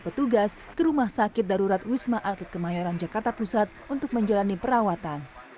petugas ke rumah sakit darurat wisma atlet kemayoran jakarta pusat untuk menjalani perawatan